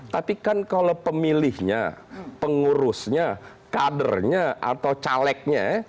tapi kan kalau pemilihnya pengurusnya kadernya atau calegnya